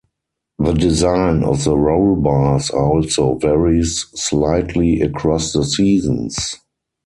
The design of the roll-bars also varies slightly across the seasons.